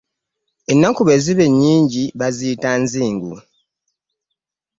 Ennaku bwe ziba nnyingi baziyita nzingu.